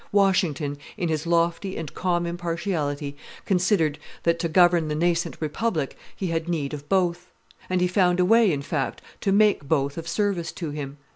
Washington, in his lofty and calm impartiality, considered that, to govern the nascent republic, he had need of both; and he found a way, in fact, to make both of service to him.